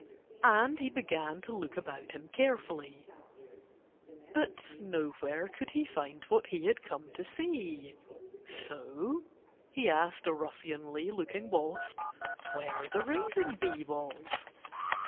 And he began to look about him carefully. But nowhere could he find what he had come to see. So he asked a ruffianly looking wasp where the raising bee was.